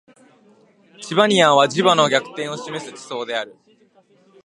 チバニアンは磁場の逆転を示す地層である